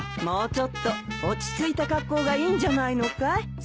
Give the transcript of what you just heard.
もうちょっと落ち着いた格好がいいんじゃないのかい？